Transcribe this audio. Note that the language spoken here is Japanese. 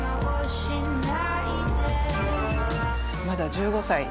まだ１５歳。